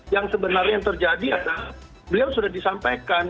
yang sebenarnya yang terjadi adalah beliau sudah disampaikan